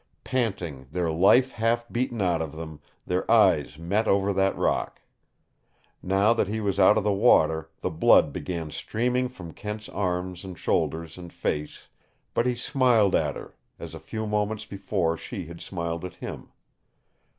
Panting, their life half beaten out of them, their eyes met over that rock. Now that he was out of the water, the blood began streaming from Kent's arms and shoulders and face, but he smiled at her as a few moments before she had smiled at him.